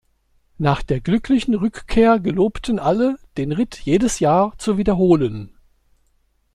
Nach der glücklichen Rückkehr gelobten alle, den Ritt jedes Jahr zu wiederholen.